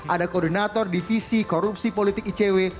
ada koordinator divisi korupsi politik icw